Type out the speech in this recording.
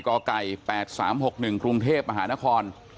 กไก่๘๓๖๑กรุงเทพฯอาหารคอน